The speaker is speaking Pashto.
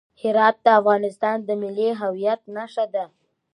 هرات د افغانستان د ملي هویت نښه ده.